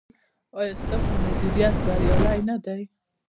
ایا ستاسو مدیریت بریالی نه دی؟